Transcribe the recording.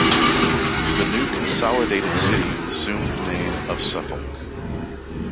The new consolidated city assumed the name of Suffolk.